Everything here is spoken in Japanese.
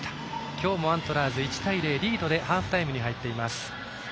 今日もアントラーズ１対０リードでハーフタイムに入っています。